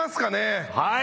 はい。